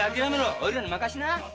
おいらに任しな！